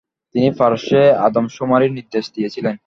তিনি পারস্যে আদমশুমারির নির্দেশ দিয়েছিলেন।